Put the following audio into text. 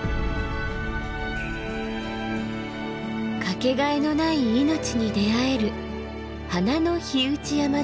かけがえのない命に出会える花の火打山です。